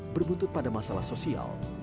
berbuntut pada masalah sosial